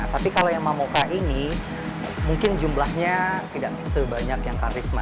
tapi kalau yang mamoka ini mungkin jumlahnya tidak sebanyak yang kang risma